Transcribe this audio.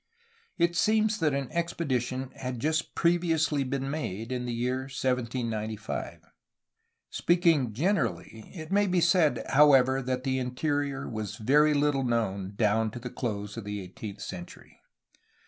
It seems that an expedition had just previously been made, in the year 1795. Speaking generally, it may be said, however, that the interior was very little known, down to the close of the eighteenth century.